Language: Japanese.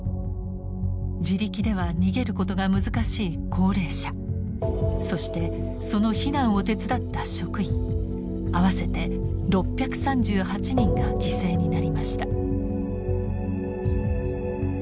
自力では逃げることが難しい高齢者そしてその避難を手伝った職員合わせて６３８人が犠牲になりました。